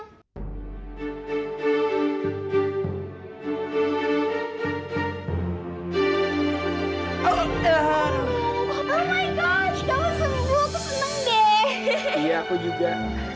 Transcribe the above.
oh my gosh kamu sembuh aku seneng deh iya aku juga